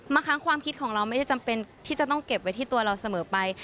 บางครั้งความคิดของเราไม่ได้จำเป็นที่จะต้องเก็บไว้ที่ตัวเราเสมอไป